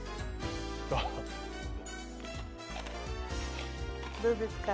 どうですか？